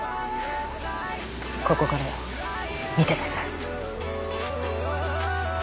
ここからよ見てなさい。